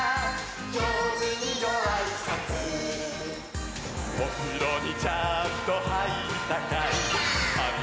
「じょうずにごあいさつ」「おふろにちゃんとはいったかい？」はいったー！